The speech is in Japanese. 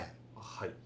はい。